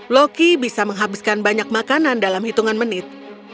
loki bisa menghabiskan banyak makanan dalam hitungan menit